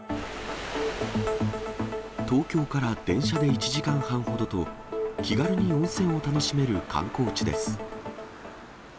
東京から電車で１時間半ほどと、気軽に温泉を楽しめる観光地です。